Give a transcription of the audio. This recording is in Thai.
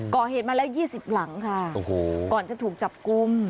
ก่อเหตุมาแล้ว๒๐หลังค่ะโอ้โหก่อนจะถูกจับกลุ่ม